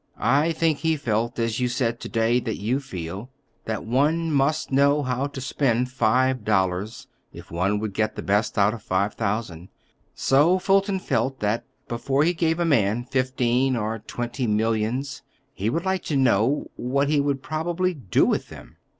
I think he felt, as you said to day that you feel, that one must know how to spend five dollars if one would get the best out of five thousand. So Fulton felt that, before he gave a man fifteen or twenty millions, he would like to know—what he would probably do with them.